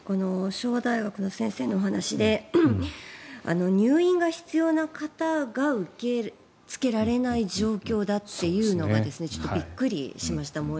昭和大学の先生のお話で入院が必要な方が受け付けられない状況だというのがちょっとびっくりしました。